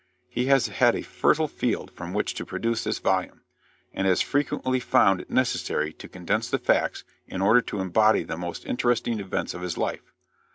He has had a fertile field from which to produce this volume, and has frequently found it necessary to condense the facts in order to embody the most interesting events of his life.